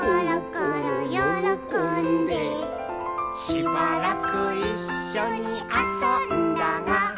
「しばらくいっしょにあそんだが」